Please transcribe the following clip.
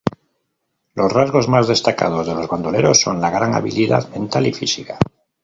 Los rasgos más destacados de los bandoleros son la gran habilidad mental y física.